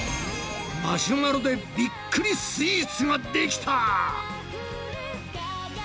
マシュマロでびっくりスイーツができた！